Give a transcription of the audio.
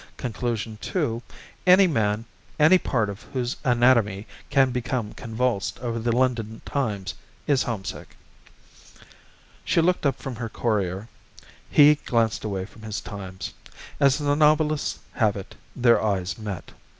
Conclusion two: Any man, any part of whose anatomy can become convulsed over the London Times is homesick. She looked up from her Courier. He glanced away from his Times. As the novelists have it, their eyes met.